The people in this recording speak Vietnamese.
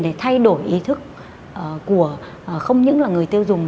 để thay đổi ý thức của không những là người tiêu dùng